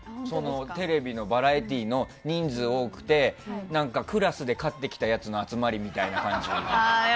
テレビのバラエティーの人数多くてクラスで勝ってきたやつの集まりみたいな感じのやつ。